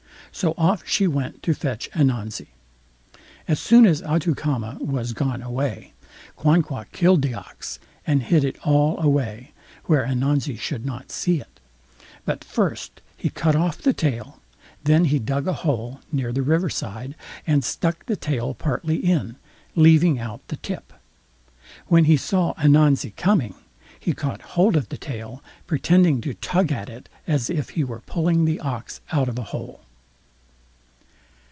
So off she went to fetch Ananzi. As soon as Atoukama was gone away, Quanqua killed the ox, and hid it all away, where Ananzi should not see it; but first he cut off the tail, then he dug a hole near the river side and stuck the tail partly in, leaving out the tip. When he saw Ananzi coming, he caught hold of the tail, pretending to tug at it as if he were pulling the ox out of the hole.